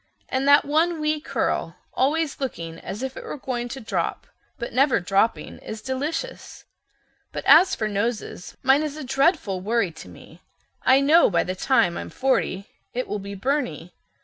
And that one wee curl, always looking as if it were going to drop, but never dropping, is delicious. But as for noses, mine is a dreadful worry to me. I know by the time I'm forty it will be Byrney.